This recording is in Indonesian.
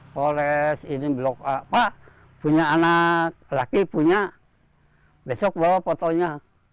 polres ini blok apa punya anak laki punya besok bawa fotonya